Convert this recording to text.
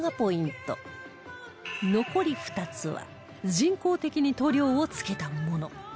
残り２つは人工的に塗料をつけたもの